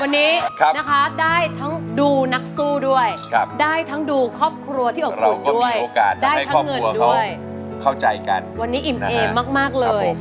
วันนี้นะคะได้ทั้งดูนักสู้ด้วยได้ทั้งดูครอบครัวที่อบอุ่นด้วยได้ทั้งเงินด้วยเข้าใจกันวันนี้อิ่มเอมมากเลย